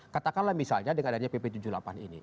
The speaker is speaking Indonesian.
katakanlah misalnya dengan adanya pp tujuh puluh delapan ini